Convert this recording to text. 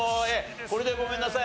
これでごめんなさい。